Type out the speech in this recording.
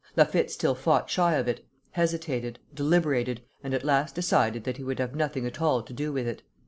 Laffitte still fought shy of it, hesitated, deliberated, and at last decided that he would have nothing at all to do with it."